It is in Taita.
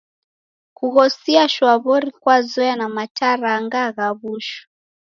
Kughosia shwaw'ori kwazoya na mataranga gha w'ushu.